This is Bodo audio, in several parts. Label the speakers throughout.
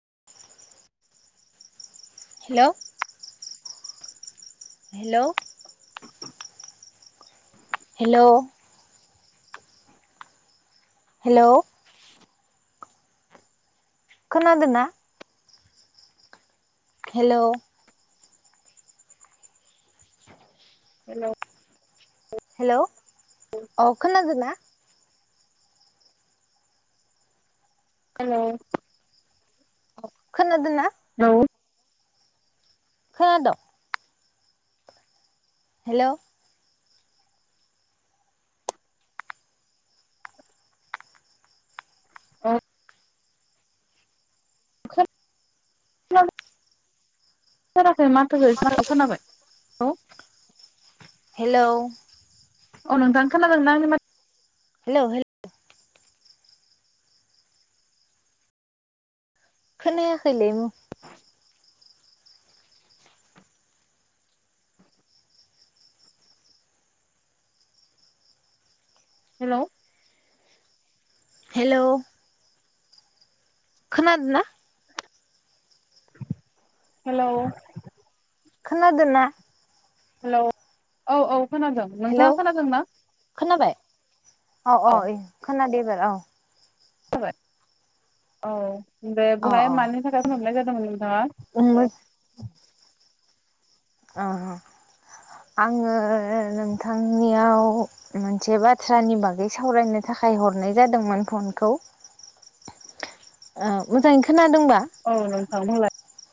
Speaker 1: [inaudible] हेलौ हेलौ हेल' हेल' खोनादों ना हेल'
Speaker 2: हेल'
Speaker 1: हेल' अ खोनादों ना
Speaker 2: हेल'
Speaker 1: खोनादों ना?
Speaker 2: हेलौ
Speaker 1: खोनाद? हेल'
Speaker 2: अ खोनादों थारा ओ माथोखो एसे आलदा खोनाबाय औ
Speaker 1: हेलौ
Speaker 2: अ नोंथां खोनादों ना आंनि माथ
Speaker 1: हेल' हेल' खोनायाखैलै नो
Speaker 2: [unintelligible] हेलौ
Speaker 1: हेल' खोनदो ना
Speaker 2: हेल'
Speaker 1: खोनादों ना?
Speaker 2: हेलौ
Speaker 1: हेलौ खोनाबाय अ अ खोनादो एबार औ
Speaker 2: जाबाय औ दे
Speaker 1: अ
Speaker 2: बुंहाय
Speaker 1: अ
Speaker 2: मानि थाखाय फन हरनाय जा [unintelligible]
Speaker 1: उम ओ ओ आङो नोंथांनियाव मोनसे बाथ्रानि बागै सावरायनो थाखाय हरनाय जादोंमोन फनखौ ओ मोजाङै खोना
Speaker 2: औ नोंथां बुंलाय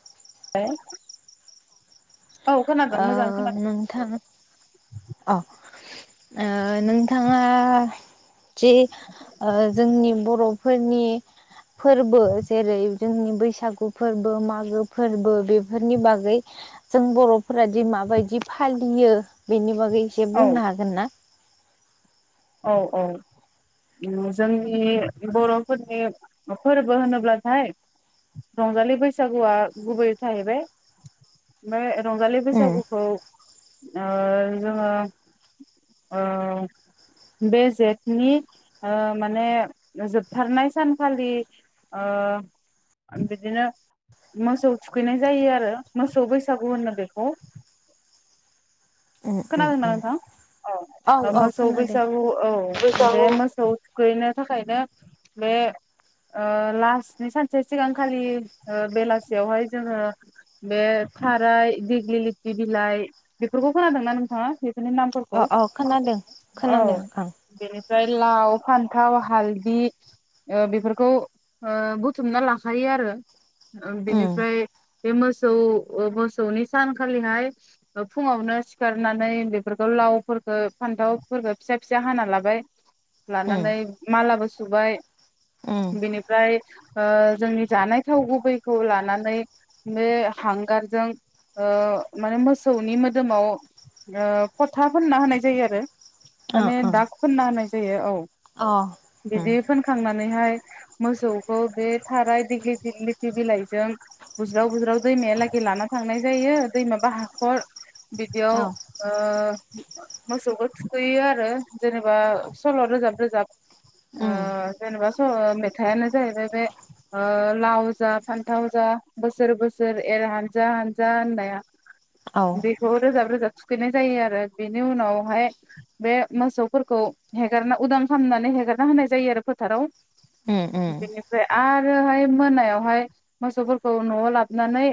Speaker 2: [unintelligible] खोनादों
Speaker 1: ओ
Speaker 2: मोजां खोनादों
Speaker 1: नोंथां अ ओ नोंथाङा जे ओ जोंनि बर'फोरनि फोरबो जेरै जोंनि बैसागु फोरबो मागो फोरबो बेफोरनि बागै जों बर' फोरादि माबायदि फालियो बेनि बागै गै एसे
Speaker 2: औ
Speaker 1: बुंनो हागोन ना?
Speaker 2: औ औ जोंनि बर'फोरनि फोरबो होनोब्लाथाय रंजालि बैसागुआ गुबै थाहैबाय ओमफ्राय- रंजालि
Speaker 1: उम
Speaker 2: बैसागुखौ ओ जोङो ओ बे जेठनि ओ माने जोबथारनाय सानखालि ओ बिदिनो मोसौ थुखैनाय जायो आरो मोसौ बैसागु होनो बेखौ
Speaker 1: उम उम
Speaker 2: खोनादोंना
Speaker 1: उम
Speaker 2: नोंथां?
Speaker 1: औ
Speaker 2: ओं
Speaker 1: औ
Speaker 2: मोसौ
Speaker 1: खोनादों
Speaker 2: बैसागु औ बे मोसौ थुखैनो थाखा- फायनो बे लास्टनि सानसे सिगांखालि बेलासियावहाय जोङो बे थाराय दिग्लि लथि बिलाइ बेफोरखौ खोनादों ना नोंथाङा?
Speaker 1: अ अ खोनादों खोनादों।
Speaker 2: ओमफ्राय लाव फान्थाव हालदि ओ बेफोरखौ ओ बुथुमना लाखायो आरो
Speaker 1: उम
Speaker 2: बेनिफ्राय बे मोसौ मोसौनि सानखालिहाय फुङावनो सि खारनानै बेफोरखौ लावफोरखौ फान्थावफोरखौ फिसा फिसा हा लाबाय
Speaker 1: उम
Speaker 2: लानानै मालाबो सुबाय
Speaker 1: उम
Speaker 2: बेनिफ्राय ओ जोंनि जानाय थाव गुबैखौ लानानै बे हांगारजों ओ माने मोसौनि मोदोमाव ओ फथा होनना होनाय जायो आरो।
Speaker 1: ओ
Speaker 2: माने दाख फोनना होनाय। जायो औ
Speaker 1: ओ अ उम
Speaker 2: बिदि फोनखांनानैहाय मोसौखौ बे थाराय देग्लिथि दग्लिथि बिलाइजों बुज्राव बुज्राव दैमायालागै लाना थांनाय जायो दैमाबा हाखर बिदियाव
Speaker 1: औ
Speaker 2: ओ मोसौबो थुखैयो आरो जेनेबा सल' रोजाब रोजाब ओ
Speaker 1: उम
Speaker 2: जेनेबा सल' मेथाइानो जाहैबाय बे ओ लाव जा फान्थाव जा बोसोर बोसोर एर हानजा हानजा होननाया
Speaker 1: औ
Speaker 2: बेखौ रोजाब रो [unintelligible] खैनाय जायो आरो बेनि उनावहाय बे मोसौफोरखौ हेगारना उदां खालामनानै हेगारना होनाय जायो आरो फोथाराव
Speaker 1: उम उम
Speaker 2: बेनिफ्राय आरोहाय मोनायावहाय मोसौफोरखौ न'आव लाबोनानै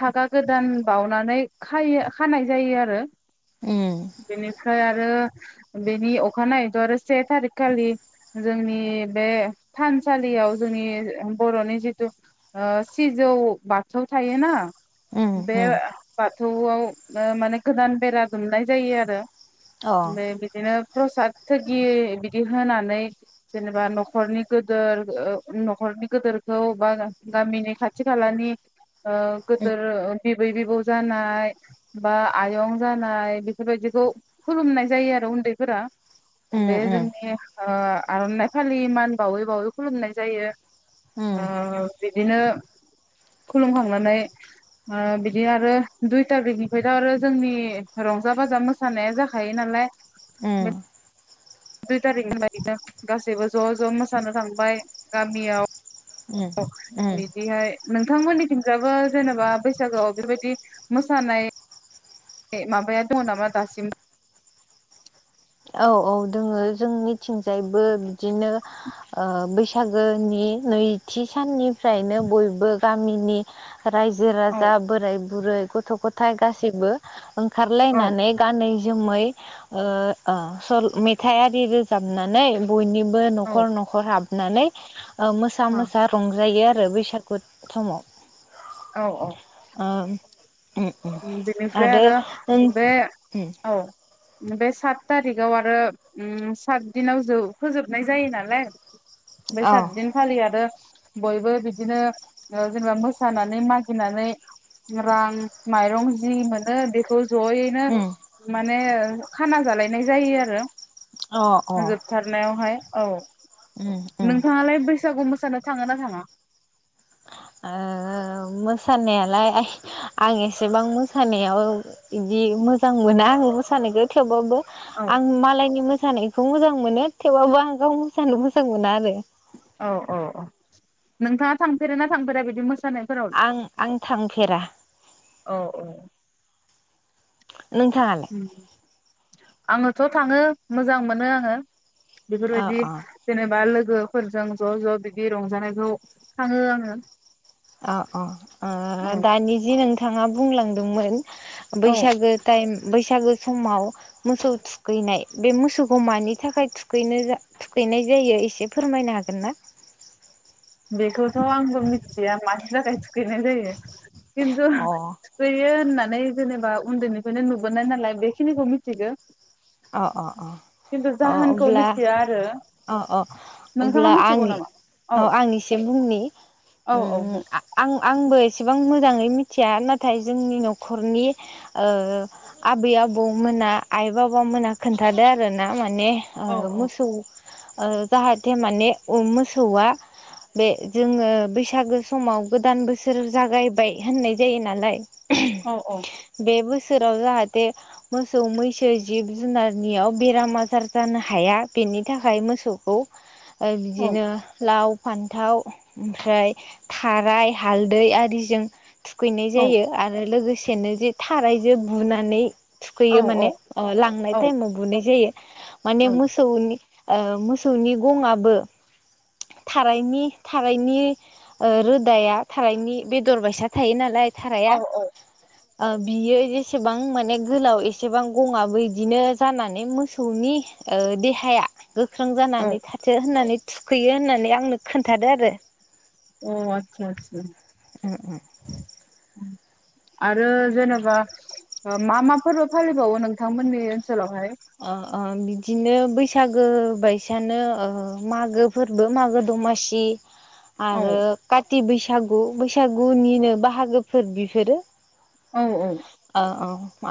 Speaker 2: फागा गोदान बाउनानै खायो खानाय जायो आरो।
Speaker 1: उम
Speaker 2: बेनिफ्राय आरो बेनि अखानायैथ' आरो से थारिकखालि जोंनि बे थानसालियाव जोंनि बर'नि जिथु ओ सिजौ बाथौ थायोना
Speaker 1: उम
Speaker 2: बे
Speaker 1: उम
Speaker 2: बाथौआव ओ माने गोदान बेरा दुमनाय जायो आरो।
Speaker 1: अ
Speaker 2: बे बिदिनो प्रसाद थोरगि बिदि होनानै जेनेबा न'खरनि गोदोर ओ न'खरनि गोदोरखौ बा गामिनि खाथि खालानि ओ
Speaker 1: उम
Speaker 2: गोदोर बिबै बिबौ जानाय बा आयं जानाय बेफोरबायदिखौ खुलुमनाय जायो आरो उन्दैफोरा।
Speaker 1: उम
Speaker 2: बे जोंनि ओ आरनाइ फालि मान बावै बावै खुलुमनाय जायो
Speaker 1: उम
Speaker 2: ओ बिदिनो खुलुमखांनानै ओ बिदि आरो दुइ थारिखनिफ्रायथा आरो जोंनि रंजा बाजा मोसानाया जाखायो नालाय
Speaker 1: उम
Speaker 2: दुइ थारिखनि बायैनो गासैबो ज' ज' मोसानो थांबाय गामियाव
Speaker 1: उम उम
Speaker 2: बिदिहाय नोंथांमोननि थिंजाबो जेनेबा बैसागोआव बेफोरबायदि मोसानाय माबाया दङ नामा दासिम?
Speaker 1: औ औ दोङो जोंनिथिंजायबो बिदिनो ओ बैसागोनि नैथि साननिफ्रायनो बयबो गामिनि रायजो
Speaker 2: औ
Speaker 1: राजा बोराय बुरै गथ' गथाय गासिबो
Speaker 2: औ
Speaker 1: ओंखारलायनानै गानै जमै ओ ओ सल मेथाइ आरि रोजाबनानै बयनिबो बो
Speaker 2: औ
Speaker 1: नखर नखर हाबो। नानै ओ मोसा मोसा रंजायो आरो। आरो बैसागु थमाव।
Speaker 2: औ औ। उम बेनिफ्राय आरो बे
Speaker 1: उम
Speaker 2: औ। बे सात थारिक आव आरो उम सात दिनाव जो फोजोबनाय जायो नालाय बे
Speaker 1: अ
Speaker 2: सातदिनखालि आरो बयबो बिदिनो ओ जेनेबा मोसानानै मागिनानै रां माइरं जि मोनो बेखौ ज'यैनो
Speaker 1: उम
Speaker 2: मा माने ओ खाना जालायनाय जायो आरो।
Speaker 1: अ अ
Speaker 2: जोबथारनायावहाय। औ।
Speaker 1: उम उम
Speaker 2: नोंथाङालाय बैसागु मोसानो थाङोना थाङा?
Speaker 1: ओ मोसानायालाय आं एसेबां मोसानायाव बिदि मोजां मोना आङो मोसानायखौ थेवबाबो
Speaker 2: औ
Speaker 1: आं मालायनि मोसानाय खौ मोजां मोनो थेवबाबो आं गाव मोसानो मोजां मोना आरो।
Speaker 2: औ औ औ नोंथाङा थांफेरो ना थांफेरा बिदि मोस
Speaker 1: आं आं थांफेरा।
Speaker 2: औ औ
Speaker 1: नोंथाङालाय?
Speaker 2: आङोथ' थाङो मोजां मोनो आङो।
Speaker 1: अ
Speaker 2: बेफोरबायदि
Speaker 1: अ
Speaker 2: जेनेबा लो गोफोरजों ज' ज' बिदि रंजानायखौ थाङो आङो।
Speaker 1: अ अ ओ
Speaker 2: औ
Speaker 1: दानि जि नों थाङा बुंलांदोंमोन।
Speaker 2: औ
Speaker 1: बैसागो टाइम। बैसागो समाव मोसौ थुखैनाय बे मोसौखौ मानि थाखाय थुखैनो जा थुखैनाय जायो एसे फोरमायनो हागोनना?
Speaker 2: बेथ'। थ' आंबो मिथिया मानि नाथाय थुखैनाय जायो। खिनथु
Speaker 1: अ
Speaker 2: थुखैयो होनना। नै जेनेबा उन्दैनिफायनो नुबोनाय नालाय बेखिनिखो मिनथिगो।
Speaker 1: अ अ अ अ
Speaker 2: जाहोनखौ
Speaker 1: अब्ला
Speaker 2: मिथिया आरो
Speaker 1: अ अ‌ अ
Speaker 2: नोंथाङा
Speaker 1: अब्ला
Speaker 2: मिथिगौ
Speaker 1: आंनि
Speaker 2: नामा
Speaker 1: अ
Speaker 2: औ
Speaker 1: आंनि से बुंनि
Speaker 2: औ औ
Speaker 1: उम
Speaker 2: बुं
Speaker 1: आ-आं आंबो इसेबां मोजाङै मिथिया नाथाय जोंनि न'खरनि ओ आबै आबौमोना आइ बाब बा मोना खोन्थादो आरोना मान ने
Speaker 2: औ
Speaker 1: ओ
Speaker 2: औ
Speaker 1: मोसौ ओ जाहाथे माने उम मोसौआ बे जोङो बैसागो समाव गोदान बोसोर जागायबाय होननाय जायो नालाय‌।
Speaker 2: औ औ।
Speaker 1: बे बोसोराव जाहाथे मोसौ मैसो जिब जुनारनियाव बेराम आजार जानो हाया बेनि थाखाय मोसौखौ। ओ
Speaker 2: औ
Speaker 1: बिदिनो लाव फान्थाव ओमफ्राय थाराय हालदै आरिजों थुखैनाय
Speaker 2: औ
Speaker 1: जायो आरो लोगो सेनो जे थारैजो बुनानै। थुखैयो
Speaker 2: औ
Speaker 1: माने। अ लांनाय टाइमाव बुनाय जायो माने मोसौनि ओ मोसौनि गंआबो थारायनि थारायनि ओ रोदाया थारायनि बेदर बायसा थायो नालाय। थाराया‌
Speaker 2: औ औ
Speaker 1: ओ बियो जेसेबां माने गोलाव एसेबां गङाबो इदिनो जानानै मोसौनि ओ देहाया गोख्रों
Speaker 2: अ
Speaker 1: जानानै थाथो होननानै खैयो होननानै आंनो खोन्थादो आरो।
Speaker 2: अ आथसा आथसा।
Speaker 1: उम उम।
Speaker 2: आरो जेनबा ओ मा मा फोरबो फालिबावो नोंथांमोननि ओनस सोलाव हाय?
Speaker 1: ओ ओ बिदिनो बैसागो बायसानो मागो फोरबो मागो दमासि
Speaker 2: औ
Speaker 1: आरो खा थि बैसागु बैसागुनिनो बाहागोफोर बिफोरो।
Speaker 2: औ औ।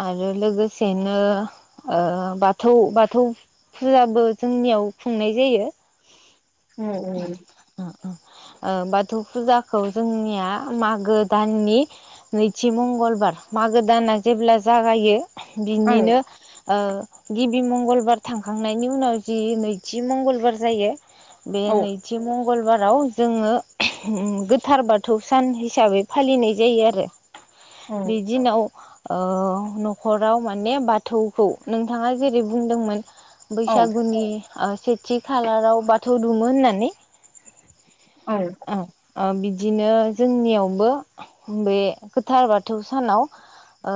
Speaker 1: आरो लोगोसेनो ओ बाथौ बाथौ फुजाबो जोंनियाव खुंनाय जायो।
Speaker 2: औ औ
Speaker 1: ओ बाथौ फुजाखौ जोंनिया मागो दाननि नैथि मंगलबार मागो दाना जेब्ला जागायो बिनिनो ओ गिबि मंगलबार थांखांनायनि उनाव जि नैथि मंगलबार जायो। बे
Speaker 2: औ
Speaker 1: नैथि मं मंगलबाराव ओम जोङो गोथार बाथौ सान हिसाबै फालिनाय जायो आरो।
Speaker 2: औ
Speaker 1: बे दिनाव ओ न'खराव माने बाथौखौ नोंथाङा जेरै बुंदोंमोन
Speaker 2: औ
Speaker 1: बैसागुनि ओ सेथि खालाराव बाथौ दुमो होननानै
Speaker 2: औ
Speaker 1: आ ओ बिदि बिदिनो जोंनियावबो बे गोथार बाथौ सानाव ओ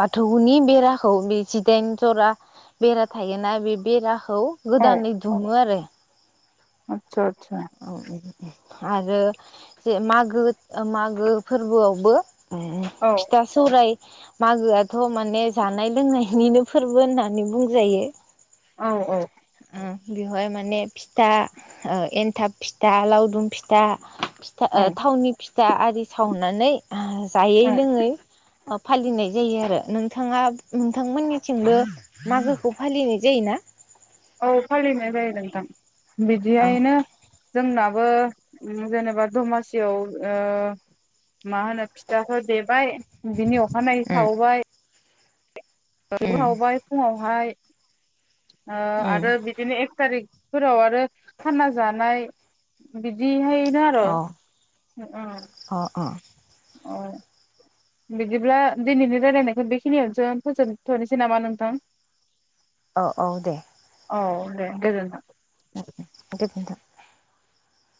Speaker 1: बाथौनि बेराखौ बे जिदाइन जरा बेरा थायोना बे बेरा खौ
Speaker 2: औ
Speaker 1: गोदानै दुमो आरो।
Speaker 2: आतसा आतसा
Speaker 1: औ औ। आरो जे मागो मागो फोरबोआवबो
Speaker 2: औ
Speaker 1: फिथा सौराय मागोआथ' माने जानाय लोंनायनिनो फोरबो होननानै बुंजायो।
Speaker 2: औ औ।
Speaker 1: ओ बेवहाय माने फिथा एनथाब फिथा लावदुम फिथा फिथा ओ
Speaker 2: औ
Speaker 1: थावनि फिथा आरि सावनानै जायै
Speaker 2: औ
Speaker 1: लोङै ओ फालिनाय जायो आरो। नोंथाङा नोंथांमोननिथिंबो मागोखौ फालिनाय जायोना?
Speaker 2: औ फालिनाय जायो नोंथां।
Speaker 1: औ
Speaker 2: बिदिहायैनो जोंनाबो जेनेबा दमासियाव ओ मा होनो फिथाखौ देबाय बिनि अखानायै
Speaker 1: उम
Speaker 2: सावबाय [unintelligible] बो
Speaker 1: उम
Speaker 2: सावबाय फुङावहाय [inaudible] ओ
Speaker 1: उम
Speaker 2: आरो बिदिनो एक थारिख फोराव आरो खाना जानाय बिदिहाय जारो
Speaker 1: अ
Speaker 2: ओ।
Speaker 1: अ अ
Speaker 2: अ बिदिब्ला दिनैनि रायलायनायखौ बेखिनियावसो फोजोबथनोसै नामा नोंथां?
Speaker 1: अ औ दे।
Speaker 2: औ दे गोजोन्थों।
Speaker 1: [unintelligible]